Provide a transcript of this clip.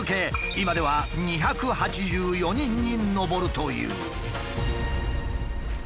今では２８４人に上るという。